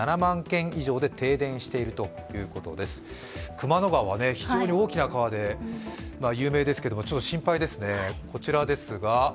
熊野川、非常に大きな川で有名ですけどもちょっと心配ですね。